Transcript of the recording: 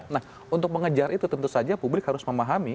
nah untuk mengejar itu tentu saja publik harus memahami